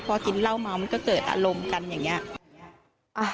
พอกินเหล้าเมามันก็เกิดอารมณ์กันอย่างนี้